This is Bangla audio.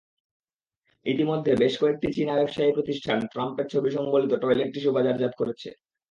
ইতিমধ্যে বেশ কয়েকটি চীনা ব্যবসায়ী প্রতিষ্ঠান ট্রাম্পের ছবি সংবলিত টয়লেট টিস্যু বাজারজাত করছে।